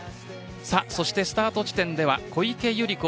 スタート地点では小池百合子